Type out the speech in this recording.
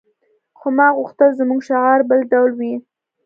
خو ما غوښتل زموږ شعار بل ډول وي